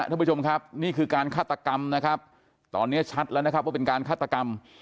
ท่านผู้ชมครับนี่คือการฆาตกรรมนะครับตอนนี้ชัดแล้วนะครับว่าเป็นการฆาตกรรม